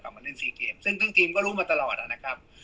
กลับมาเล่นสี่เกมซึ่งซึ่งทีมก็รู้มาตลอดอ่ะนะครับ